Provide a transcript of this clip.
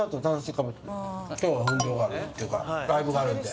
今日は運動があるていうかライブがあるんで。